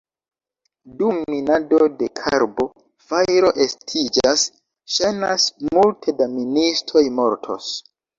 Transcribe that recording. Dum minado de karbo fajro estiĝas, ŝajnas, multe da ministoj mortos.